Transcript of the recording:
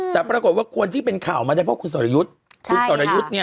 แต่ปรากฏว่าคนที่เป็นข่าวมันก็คือคุณสอรยุทธ์